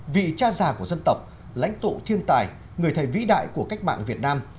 vị cha già của dân tộc lãnh tụ thiên tài người thầy vĩ đại của cách mạng việt nam